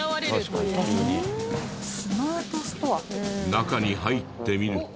中に入ってみると。